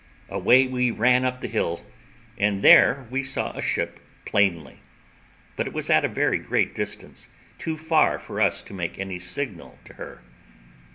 away we run up the hill, and there we saw a ship plainly; but it was at a very great distance, too far for us to make any signal to her.